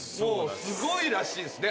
すごいらしいですね